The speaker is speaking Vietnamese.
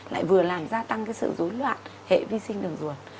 lại vừa làm gia tăng cái sự dối loạn hệ vi sinh đường ruột